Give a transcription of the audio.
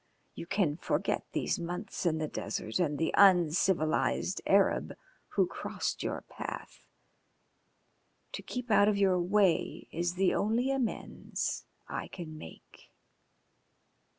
You can forget these months in the desert and the uncivilised Arab who crossed your path. To keep out of your way is the only amends I can make."